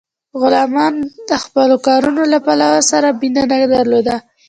غلامانو د خپلو کارونو له پایلو سره مینه نه درلوده.